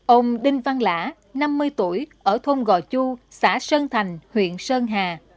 ông đinh văn lã năm mươi tuổi ở thôn gò chu xã sơn thành huyện sơn hà